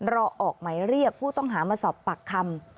ออกหมายเรียกผู้ต้องหามาสอบปากคำ